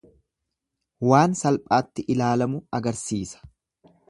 Waan salphaatti ilaalamu agarsiisa.